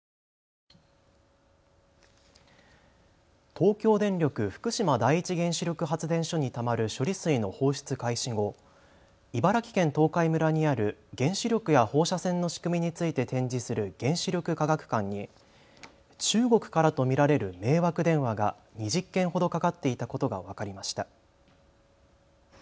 東京電力福島第一原子力発電所にたまる処理水の放出開始後、茨城県東海村にある原子力や放射線の仕組みについて展示する原子力科学館に中国からと見られる迷惑電話が２０件ほどかかっていたことが分かりました。